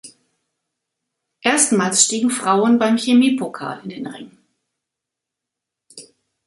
Erstmals stiegen Frauen beim Chemiepokal in den Ring.